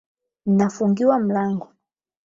Nnafungiwa mlango